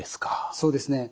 そうですね。